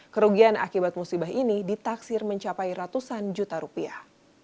kerugian akibat musibah ini ditaksir mencapai ratusan juta rupiah